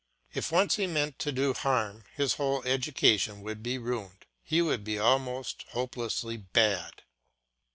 If once he meant to do harm, his whole education would be ruined; he would be almost hopelessly bad.